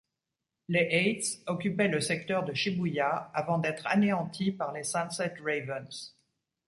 Les Eighth occupaient le secteur de Shibuya avant d'être anéantis par les Sunset Ravens.